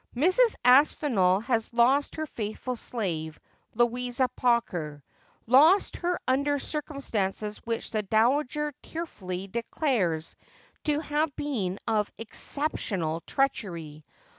Mrs. Aspinall has lost her faithful slave, Louisa Pawker— lost her under circumstances which the dowager tearfully declares to have been of exceptional treachery.